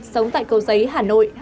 sống tại cầu giấy hà nội